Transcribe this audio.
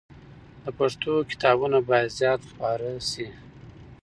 د پښتو کتابونه باید زیات خپاره سي.